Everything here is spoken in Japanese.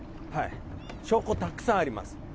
はい証拠たくさんあります